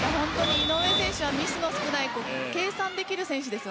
井上選手はミスが少ない計算できる選手です。